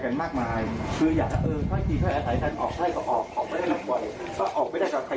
จะไม่เคลียร์กันได้ง่ายนะครับ